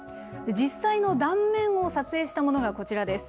実際の断面を撮影したものが、こちらです。